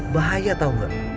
bahaya tau gak